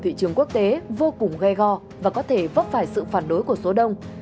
thị trường quốc tế vô cùng ghe go và có thể vấp phải sự phản đối của số đông